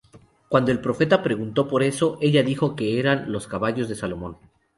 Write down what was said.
Cuando el Profeta preguntó por eso, ella dijo que eran los caballos de Salomón.